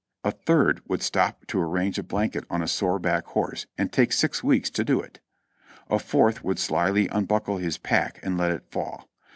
A third would stop to arrange a blanket on a sore back horse, and take six weeks to do it, A fourth would slyly unbuckle his pack and let it fall.